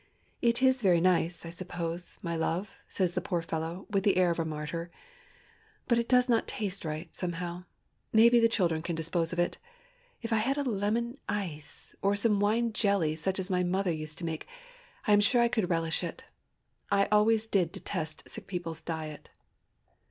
"It is very nice, I suppose, my love," says the poor fellow, with the air of a martyr. "But it does not taste right, somehow. Maybe the children can dispose of it. If I had a lemon ice, or some wine jelly such as my mother used to make, I am sure I could relish it. I always did detest sick peoples' diet!"